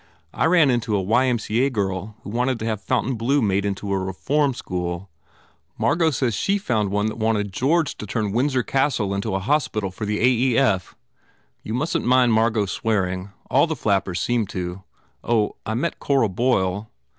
I ran into a Y. M. C. A. girl who wanted to have Fontainebleau made into a reform school. Mar got says she found one that wanted to have 142 GURDY George turn Windsor Castle into a hospital for the A. E. F. ... You mustn t mind Margot swearing. All the flappers seem to. Oh, I met Cora Boyle."